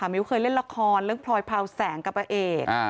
มิ้วเคยเล่นละครเรื่องพลอยเผาแสงกับพระเอก